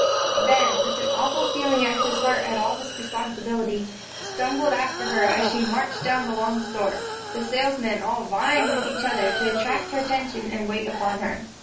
Ben, with an awful feeling at his heart at all this responsibility, stumbled after her as she marched down the long store, the salesmen all vying with each other to attract her attention and wait upon her.